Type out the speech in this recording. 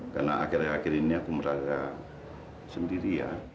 karena akhir akhir ini aku meragam sendirian